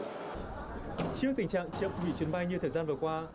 trước tình trạng chậm hủy chuyến bay như thời gian vừa qua